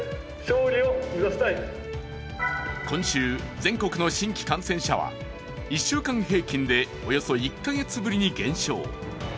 今週、全国の新規感染者は１週間平均でおよそ１カ月ぶりに減少。